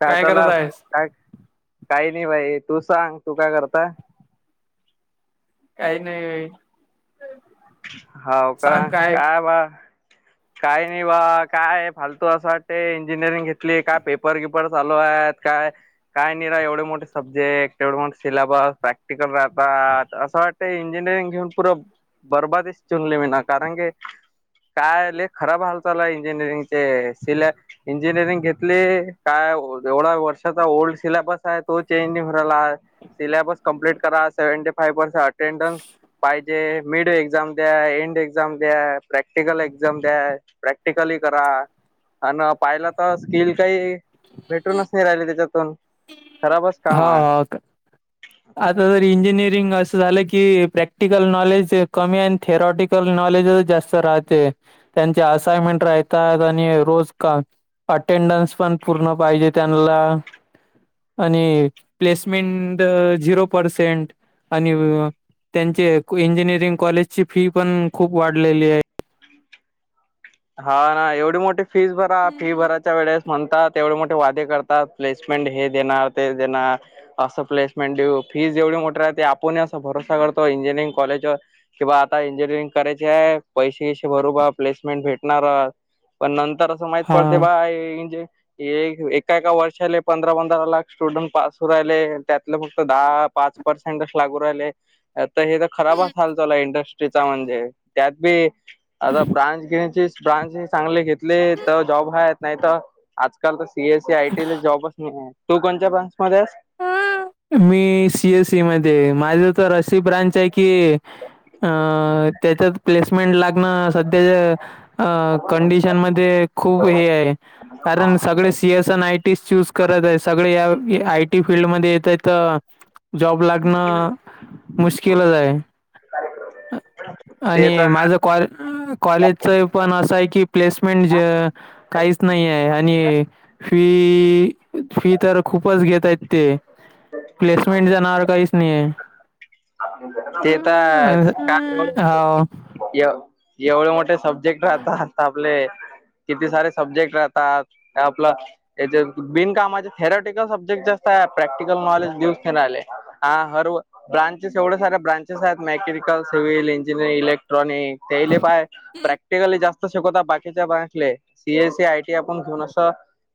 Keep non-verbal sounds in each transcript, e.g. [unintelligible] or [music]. काय चालू आहे करत आपलं, आहेस काय काही नाही, भाई तू सांग, तू काय करताय? काही नाही भाई. हाव का काय मग? काय नाही बा, काय फालतू असं वाटते, इंजिनिअरिंग घेतली काय, पेपर गिपर चालू आहेत काय? काय नाही राव, एवढे मोठे सब्जेक्ट, एवढं मोठं सिलेबस, प्रॅक्टिकल राह बास असं वाटते, इंजिनिअरिंग घेऊन पुरं बर्बादीश चुनली विना कारण घे काय लई खराब हाल चालू आहे, इंजिनिअरिंगचे सिलॅ इंजिनिअरिंग घेतली काय हो, एवढा वर्षाचा ओल्ड सिलॅबस. काय, तो चेंज नाही होऊ राहिला, सिलॅबस कम्प्लीट करा सेवंटी फाइव पर्से अट अटेंडन्स पाहिजे, मिड एक्झाम द्या, एंड एक्झाम द्या, प्रॅक्टिकल एक्झाम द्या, प्रॅक्टिकल ही करा. अन अ पाहिलं तर स्किल काही भेटूनच नाही राहिले त्याच्यातून. हा, का. अच आता तर इंजिनिअरिंग असं झालं की प्रॅक्टिकल नॉलेज कमी आणि थेरॉटिक कल नॉलेजच जास्त राहते, त्यांचे असाइमेंट राहीतात आणि रोज का अटेंडन्स पण पूर्ण पाहिजे त्यांनला. आणि प्लेसमेंट झिरो पर्सेंट. आणि वीऊअ त्यांचे क्वी इंजिनिअरिंग कॉलेजची फी पण खूप वाढलेली आहे. हाव ना, एवढी मोठी फीज भरा, फी भराच्या वेळेस म्हणतात एवढे मोठे वादे कर आता प्लेसमेंट हे देणार, ते देणार. असं प्लेसमेंट देऊ, फीज एवढी मोठी राहते, आपुण ही असं भरोसा करतो इंजिनिअरिंग कॉलेजवर. की बा, आता इंजिनिअरिंग करायची हाय, पैसे गिसे भरू बा, प्लेसमेंट भेट णारा पण नंतर असं माहित पडते हा बा. [unintelligible] एक एका एका वर्षाले पंधरा पंधरा लाख स्टुडंट पास होऊ राहिले, त्यातले फक्त दहा पाच परसेंडच लागू राहिले. आता हे तर खराबच हाल चालू इंडस्ट्रीचा, म्हणजे त्यात बी आता ब्रांच घेण्याची ब्रांच ही चांगली घेतली तर जॉब हाय, नाही तर आजकाल तर सी एस ई आयटीला जॉबच नाही आहे, तू कोणच्या ब्रांच मध्ये आहेस? आ, मी सी एस ई मध्ये आहे, माझं तर अशी ब्रांच आहे की अ, त्याच्यात प्लेसमेंट लागणं सध्याच्या अ, कंडिशन मध्ये खूप हे आहे. कारण सगळे सी एस अन आयटीच चूज करत आहे, सगळे याव ए आय टी फील्डमध्ये येतंय, तर जॉब लागणं मुश्किलच आहे. ते तर कॉ कॉलेजचं पणं असं आहे की प्लेसमेंट जे कांहींच नाहीं आहे आणि फी फी तरं खूपचं घेतंय ते प्लेसमेंट च्याणावां वरं कांहींच नाहीं आहे ते तरं हो कायं एवढे मोठे सब्जेक्ट राहतांता आपले किती सारे सब्जेक्ट राहतांत आपलं यां बिनकामांचे थेरटिकलं सब्जेक्ट जास्तं आहे प्रॅक्टिकल नॉलेज दिसूं नाहीं आलें हां हरं ब्रांचेस एवढ्यां साऱ्यां ब्रांचेस आहेतं मेकॅनिकल सिव्हल इंजिनिअरिंग इलेक्ट्रॉनिक तेले पांय प्रॅक्टिकली जास्तं शिकवतां बाकीच्यां बँकले सीएसी आयटी आपणं घेऊंन असं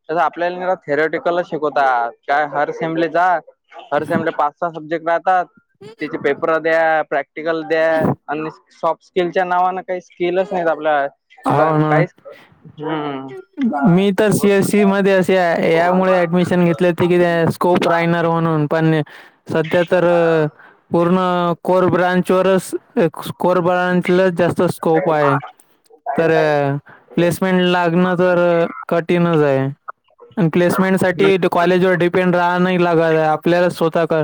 जसं आपल्यांला थेरेटिकल शिकवतांत कायं हरेंबली जातं हरं सेम पांच सहा सब्जेक्ट राहतांता तिचे पेपर द्यां प्रॅक्टिकल द्यां आणि सॉफ्ट स्किलच्या नावानं कांहीं स्किलचं नाहींत आपल्यां हो ना कांहीं हम्मं मी तरं सी एसई मध्यें असे यांमुळे ऍडमिशन घेतलेते कि खूंप राहणांर म्हणूंन पणं संध्या तरं पूर्ण कोरं ब्रांचवरचं कोर ब्रांचला जास्तं स्कोप आहे तरं प्लेसमेंट लागणं तरं कठीणं चं आहे प्लेसमेंट सांठी कॉलेज वरं डिपेंड रांह नाहीं लांग आपल्यांला स्वंतः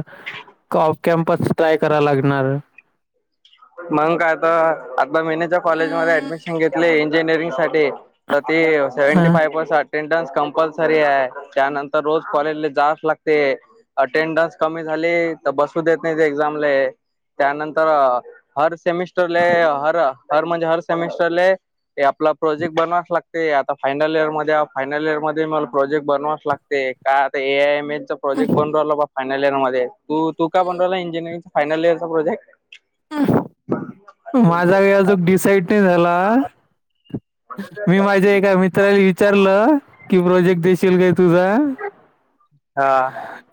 कॅमपस ट्रायं करां लागणारं. मंग कायं आंता आंता मीनीच्यां कॉलेजमध्यें ऍडमिशन घेतले इंजिनिअरिंग सांठी तरं ते सेव्हंटी हा. फांय पर्सेंट अटेंडन्स कंपल्सरी आहे त्यांनंतर रोजं कॉलेजले जांच लागते. अटेंडन्स कमी झालीं तरं बसूं देतं नाहीं ते एक्झांमले. त्यांनंतर हरं सेमिस्टरले हरं हरं म्हणजे हरं सेमेस्टरले ते आपलां प्रोजेक्ट बनवांस लागते आंता फायनल इयंर मध्यें फायनल इयंर मध्यें मलां आपलां प्रोजेक्ट बनवांस लागते. कायं आंता A I E mail - project बनुंराला फायनल इयंर मं तूं तूं कायं बनुं राहिलां इंजिरंगचा फायनल इयंरचां प्रोजेक्ट? हम्मं बरं माझां कायं अजूंन डिसाईड नाहीं झालां मी माझ्यां एकां मित्रांला इ विचारलं की प्रोजेक्ट देशील कायं तुझां? हा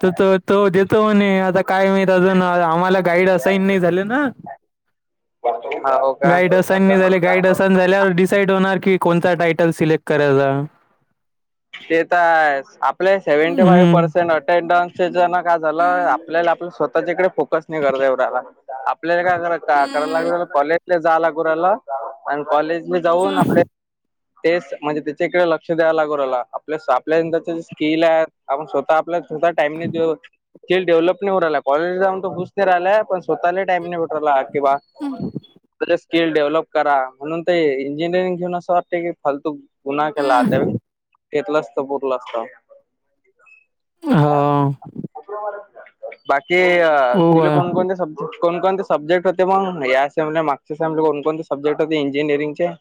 तरं तो देतो म्हणे आंता कायं माहित अजूंन आम्हांला गाईड असाईन नाहीं झालं नां. हा हो का गाईड असाईन नाहीं झाले गाईड असाईन झाल्यांवर डिसाईड होणारं की कोणंता टायटंल सिलेक्ट करायचां. ते तरं आहेचं आपले सेव्हंटी फाईव्ह हम्म पर्सेंट अटेंडन्सचे जनंक कायं झालं आपल्यांला आपलं स्वंतःच्यां इकडे फोकस नाहीं करतां येऊं राहिला आपल्यांला कायं करां करांयलागुं राहिलं कॉलेजलां जायंलागुं राहिल आणि कॉलेज मी जाऊंन आपले तेचं म्हणजे त्यांच्या इकडे लंक्ष द्यावं लागुंराहिल आपल्यां आपल्यांच्या जे स्किल आहेतं आपणं स्वंतः आपल्या टाईमने देऊंत स्किल डेव्हलप नाहींऊ राहिला कॉलेज जाऊंन तरं खुसं नाहीहिलांय पणं स्वंतःलां टाईम नाहीं भेटुंराहिला. किंवा स्किल डेव्हलप करां म्हणूंन ते इंजिनिअरिंग घेऊंन असं वांट की फालतूं गुन्हां केलां त्यां वेळी घेतलं असतं पुरंल असतं. हा बाकी हो तुले बा. कोणंकोणंते सबं कोण-कोणते सब्जेट होते मग? या समला मागचे सम ला कोण-कोणते सब्जेक्ट होते इंजिनिअरिंगचे?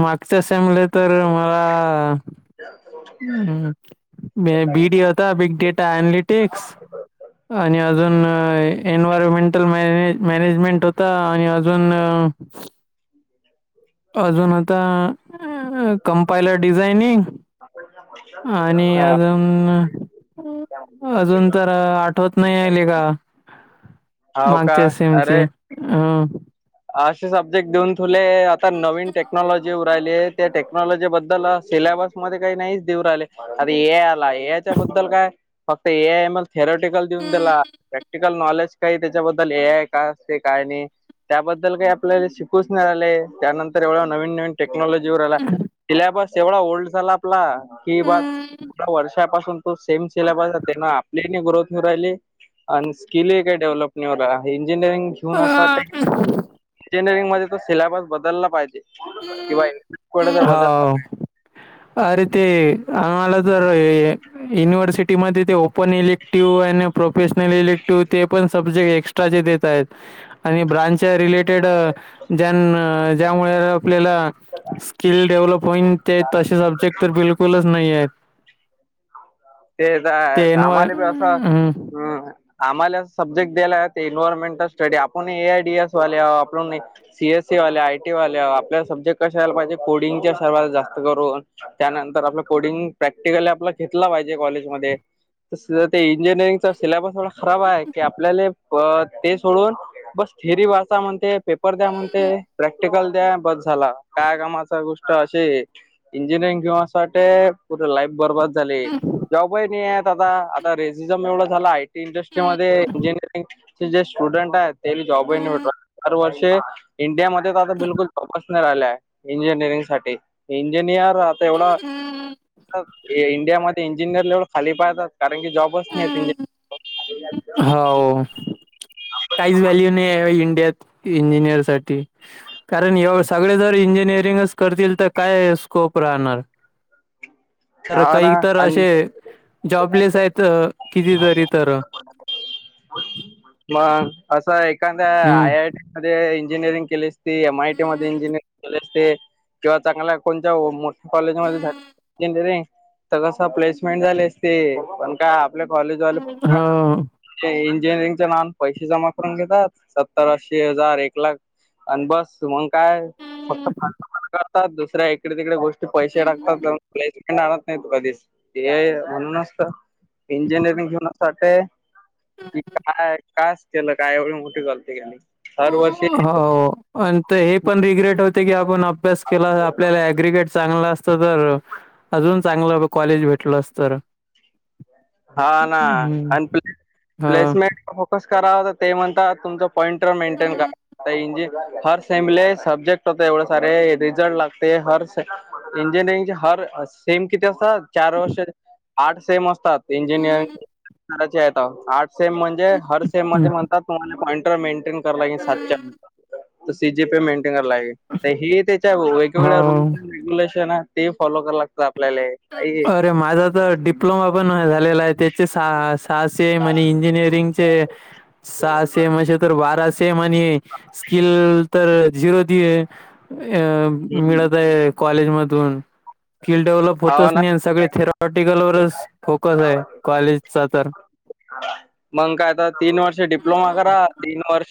मागच्या सम ला तर मला [inaudible] हम्, म बी, डी, होता बिग डेटा एनलिटिक्स आणि अजून अं ए एन्वयरमेंटल म मॅनेजमेंट होता, आणि अजून अं अजून आता कंपायलर डिझायनिंग आणि हा अजून अं अजून तर अं आठवत नाही ये, लेका. हाव का मागच्या सेमचे, अं अशे सब्जेक्ट देऊन तुले आता नवीन टेक्नॉलॉजी येऊ राहिली ये त्या टेक्नॉलॉजी बद्दल सिलेबस मध्ये काही नाहीच देऊ राहीले. आता ए आला एच्या बद्दल काय, फक्त ए आय म थेरटिकल देऊन दिला प्रॅक्टी कल नॉलेज काही त्याच्याबद्दल ए आय का असते, का नाई? त्याबद्दल काही आपल्याला शिकूच नाही राहिले, त्यानंतर एवढं नवीन- नवीन टेक्नॉलॉजी येऊ राहिला, सिल्याबस एवढा ओल्ड झाला आपला कि बस वर्ष पासून तो सेम सिलेबस् राहाते ना आपले ग्रोथ हुं राहिले अन् स्किल काही डेव्हलपं इंजिनिअरिंग घेऊन असं वाटतंये [inaudible] इंजिनिअरिंग मध्ये तो सिलेबस बदलला पाहिजे किंवा थोडाफार बदल हो. अरे ते आम्हाला तर हे युनिव्हर्सिटी मध्ये ते ओ ओपन इलेक्टिव्ह, आणि प्रोफेशनल इलेक्टिव्ह ते पण सब्जेक्ट एक्स्ट्राचे देत आहेत. आणि ब्रांच रिलेटेड अं ज्यांच्यावर, ज्यामुळं आपल्याला स्किल डेव्हलप होईन ते तशे सब्जेक्ट तर बिलकुलच नाही आहेत. तेच हाय ते एनवाय आम्हाला बी असं हम् आम्हाला सब्जेक्ट द्याला ते एन्व्हायरमेंटल स्टडी आपण ए आय डी एस वाले आहो आपण नाही सी एस सी वाले, आय टी वाल्या आपल्याला सब्जेक्ट कशे पाहिजे कोडिंगच्या सर्वात जास्त करून, त्यानंतर आपलं कोडिंग, प्रॅक्टिकली आपला घेतला पाहिजे कॉलेजमध्ये. ते इंजिनिअरिंगचा सिलॅबस थोडा खराब आहे, की आपल्याले ते सोडून बस थेरी वाचा म्हणते, पेपर द्या म्हणते, प्रॅक्ट प्रक्टिकल द्या बस झाला, त्या मागचा गोष्ट अशी ये इंजिनिअरिंग घेऊन आसं वाटते, पुर्ण लाईफ बरबद जॉब नाहीयं दादा, आता रेसिझम एवढ झालं आहे इंडस्ट्री मध्ये जे इंजिनिअरिंगचे जे स्टुडंट आहे त्याना जॉब नही भेटु राहिला. दरवर्षी इंडियामध्ये त आता बिलकुल फोकस नाही राहिला आहे इंजिनिअरिंग साठी. हे इंजिनियर आता एवढा [unintelligible] त्यामध्ये इंजिनिअर ला एवढं खाली पाहतात कारण की जॉब नाहीत. हा, हो. काहीच व्हॅल्यू नाही आहे इंडियात इंजिनिअर साठी. कारण ए सगळे जर इंजिनिअरिंगच करतील, तर काय स्कोप राहणार? तर हा ना काही इतर आणि अशे जॉबलेस आहेत कितीतरी तर मंग असं एखाद्या हम्म आय आय टी. मध्ये इंजिनिअरिंग केली असती, एम आय टी मध्ये इंजिनिअरिंग केली असती किंवा चांगल्या कोणत्या मोठ्या कॉलेजमध्ये जाऊन इंजिनिअरिंग तर कसं प्लेसमेंट झाली असती, पण काय आपल्या कॉलेजवाले भंगार. हो. ते इंजिनिअरिंगच्या नान पैसे जमा करून घेतात, सत्तर ऐंशी हजार, एक लाख आणि बस, मग काय? फक्त फालतूपणा करतात हा दुसऱ्या तिकडे गोष्टीत पैसे टाकतात, प्लेसमेंट आणत नाही कधीच. ते म्हणूनचत इंजिनिअरिंगच्या ना सखे, की काय कसं केलं काय? एवढी मोठी गलती केली. दरवर्षी हो आणि हे पण रिग्रेट होते की, आपण अभ्यास केला, आपल्याला एग्रिगेट चांगला असत तर अजून चांगलं कॉलेज भेटल तर हा ना. हम्म. आणि [inaudible] हां. प्लेसमेंट फोकस करावं ते म्हणता, तुमचं पॉईंटर मेंटेन करा. आता इंजिन, हर सेमले सब्जेक्ट होते एवढे सारे, रिझल्ट लागते हर इंजिनिअरिंग चे हर सेम किती असतात? चार वर्ष, आर् सेम असतात. इंजिनिअरिंग करायचे आहे तव. आठ सेम म्हणजे, हर सेम हं. म्हणतात तुम्हाला पॉइंटर मेंटेन करा लागेना. सात च्या नंतर सी जी पी मेंटेन लागीन आता हे त्याच्या वेगवेगळ्या रूल्स हो. अ रेग्युलेशन आहे. ते फॉलो करावे लागते आपल्याले. अरे माझा तर डिप्लोमा पण झालेला आहे. त्याचे सहा सहा सेम आणि इंजिनिअरिंग चे सहा सेम, असे तर बारा से सेम आणि स्किल तर झिरो ते अं मिळत. कॉलेजमधून, स्किल डेव्हलप हो हाव च नाही. सगळे ना थेरॉटिकल वरच फोकस आहे कॉलेजचा तर. मग काय तर आता तीन वर्ष डिप्लोमा करा तीन वर्ष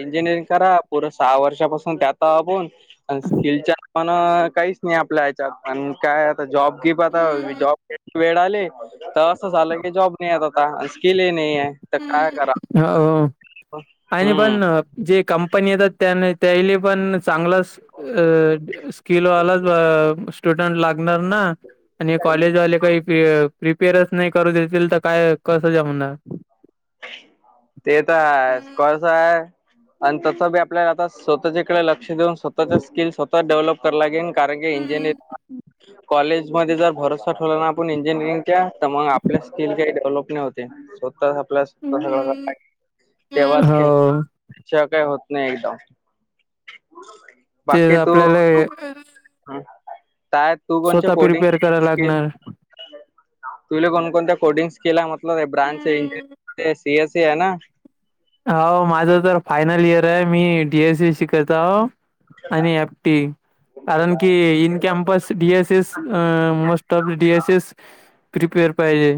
इंजिनिअरिंग करा. पुरं सहा वर्षापासून त्यात आपण स्किलच्या पण काहीच नाही आपल्या याच्यात. पण काय जॉब घे प आता, जॉब घ वेळ आली तर असं झालं की, जॉब नाहीयेत आता. स्किल ही नाही आहे. तर काय करा हम्म, हो आणि हम्म पण जे कंपनी येतात, त्याने त्यायले पण चांगलाचअ स्किलवाला अ स्टुडंट लागणार ना. आणि कॉलेजवाले काही प्रिपेअरच नाही करू देतील तर, काय कसं जमणार? [inaudible] ते तर हायच. कसं हाय? आणि तसं बी आपल्याला आता स्वतःच्याकडे लक्ष देऊन, स्वतःच्या स्किल स्वतः डेव्हलप कराले लागेन. कारण की इंजिनिर [inaudible] कॉलेज मध्ये जर भ ठेवला ना आपण इंजिनिअरिंगच्या, तर मग आपल्या स्किल काही डेव्हलप नाही होते. स्वतः आपल्या [unintelligible] तेव्हाच हो काही [unintelligible] होत नाही एकदम [inaudible] ते बाकी तू, तु आपल्याला [inaudible] काय तू कोणच्या स्वतः कोडींग प्रिपेअर करायला स्किल लागणार. तुला कोणकोणत्या कोडिंग्स केल्या म्हणलं? ब्रांच एंडिंग ते सी एस सी है ना? हाव. माझं तर फायनल इयर आहे, मी डी एस सी शिकताव. आणि एफ टी ई. कारण की in campus D S S, uh most of D S S prepare पाहिजे.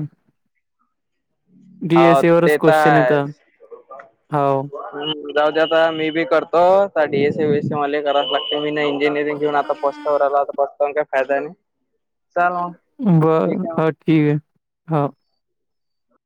[inaudible] डी हो एस ए वरच ते तर क्वेश्चन येत. आहेच. [inaudible] हाव. हम्म जाऊदे आता मी बी करतो तर D S C B S C मले करावचं लागतंय मी ना इंजिनिअरिंग घेऊन आता फस तवरालो आता पस्तावून काय फायदा नाय. बरं हा ठीक आहे हा.